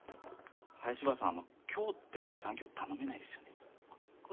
林原さん、今日って残業頼めないですよね？